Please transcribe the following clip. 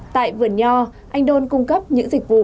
tại vườn nho anh đôn cung cấp những dịch vụ